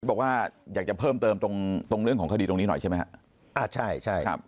บอกว่าอยากจะเพิ่มเติมตรงเรื่องของคดีตรงนี้หน่อยใช่มั้ยครับ